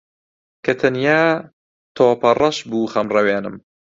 کە تەنیا تۆپەڕەش بوو خەمڕەوێنم